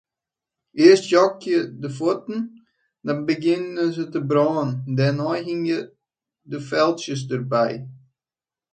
Earst jokje de fuotten, dan begjinne se te brânen, dêrnei hingje de feltsjes derby.